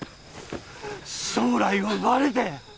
将来を奪われて